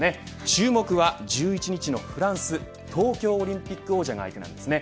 注目は１１日のフランス東京オリンピック王者が相手なんですね。